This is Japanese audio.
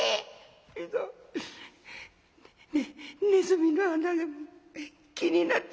「けどねねずみの穴が気になって」。